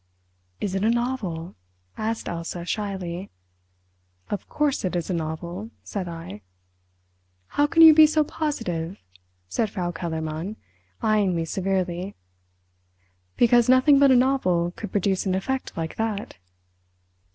"Is it a novel?" asked Elsa shyly. "Of course it is a novel," said I. "How can you be so positive?" said Frau Kellermann, eyeing me severely. "Because nothing but a novel could produce an effect like that."